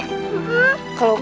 kalau raden sudah berubah